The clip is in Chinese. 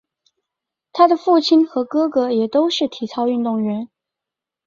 她的父亲和哥哥也都是体操运动员。